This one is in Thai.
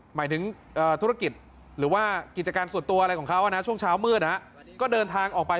หมายถึงธุรกิจหรือว่ากิจการส่วนตัวอะไรของเขานะช่วงเช้ามืดก็เดินทางออกไป